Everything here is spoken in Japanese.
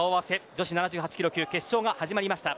女子７８キロ級の決勝が始まりました。